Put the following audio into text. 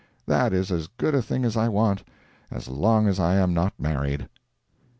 That is as good a thing as I want, as long as I am not married.